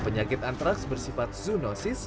penyakit antraks bersifat zoonosis